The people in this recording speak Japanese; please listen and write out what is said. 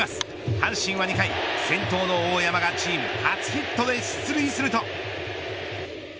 阪神は２回、先頭の大山がチーム初ヒットで出塁すると。